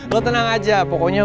lo tenang aja pokoknya